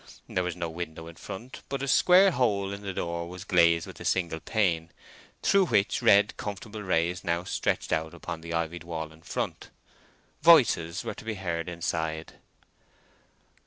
There was no window in front; but a square hole in the door was glazed with a single pane, through which red, comfortable rays now stretched out upon the ivied wall in front. Voices were to be heard inside.